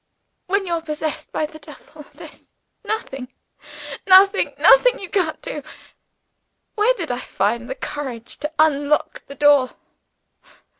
When you're pos sessed by the devil, there's nothing, nothing, nothing you can't do! Where did I find the courage to unlock the door?